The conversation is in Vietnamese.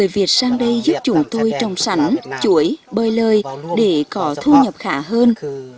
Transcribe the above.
việt sang đây giúp chúng tôi trồng sẵn chuỗi bơi lơi để có thu nhập khả hơn